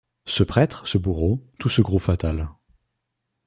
Ce prêtre, ce bourreau, tout ce groupe fatal